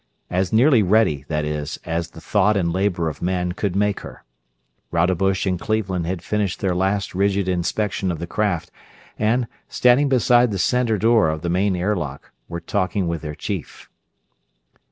As nearly ready, that is, as the thought and labor of man could make her. Rodebush and Cleveland had finished their last rigid inspection of the craft and, standing beside the center door of the main airlock, were talking with their chief.